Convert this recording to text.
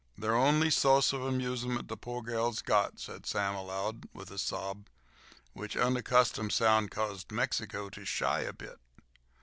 "Ther only so'ce ov amusement ther po' gal's got," said Sam aloud, with a sob, which unaccustomed sound caused Mexico to shy a bit.